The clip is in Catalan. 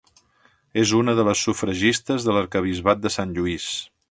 És una de les sufragistes de l'Arquebisbat de Sant Lluís.